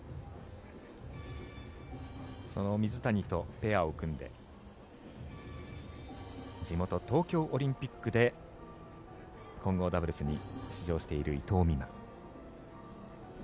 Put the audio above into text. その水谷とペアを組んで地元・東京オリンピックで混合ダブルスに出場している伊藤美誠。